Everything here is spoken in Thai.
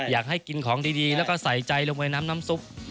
อยากให้กินของดีแล้วก็ใส่ใจลงไปน้ำน้ำซุป